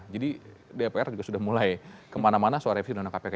jadi dpr juga sudah mulai kemana mana soal revisi undang undang kpk